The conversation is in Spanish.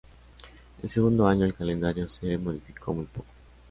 El segundo año el calendario se modificó muy poco.